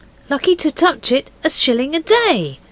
'Lucky to touch it, a shilling a day!